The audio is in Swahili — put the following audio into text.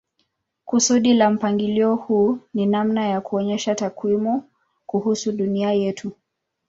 Kusudi la mpangilio huu ni namna ya kuonyesha takwimu kuhusu dunia yetu.